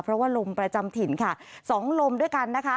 เพราะว่าลมประจำถิ่นค่ะ๒ลมด้วยกันนะคะ